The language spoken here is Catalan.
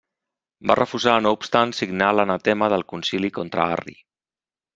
Va refusar no obstant signar l'anatema del concili contra Arri.